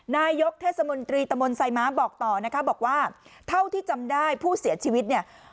นายกเทศมนตรีตะมนต์ไซม้าบอกต่อนะคะบอกว่าเท่าที่จำได้ผู้เสียชีวิตเนี่ย